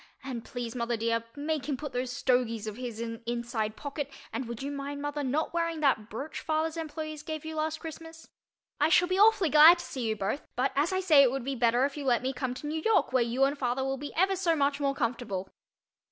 And please, mother dear, make him put those "stogies" of his in an inside pocket and would you mind, mother, not wearing that brooch father's employees gave you last Christmas? I shall be awfully glad to see you both but as I say it would be better if you let me come to New York where you and father will be ever so much more comfortable.